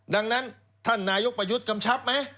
ดังนั้นท่านนายกประยุทธ์กำชับไหม